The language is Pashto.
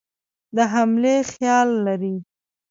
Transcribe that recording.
د حملې خیال لري.